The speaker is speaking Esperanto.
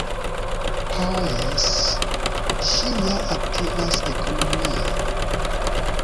Ho jes, ŝi ja aktivas ekonomie!